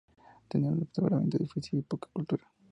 Tenía un temperamento difícil y poca cultura.